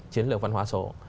chiến lược văn hóa số